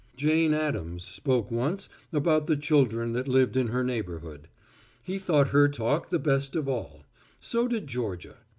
Jane Addams spoke once about the children that lived in her neighborhood. He thought her talk the best of all; so did Georgia.